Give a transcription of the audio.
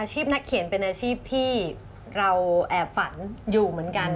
นักเขียนเป็นอาชีพที่เราแอบฝันอยู่เหมือนกัน